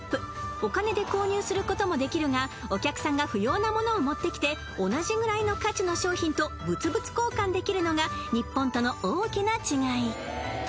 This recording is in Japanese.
お金で購入することもできるがお客さんが不要なものを持ってきて同じぐらいの価値の商品と物々交換ができるのが日本との大きな違い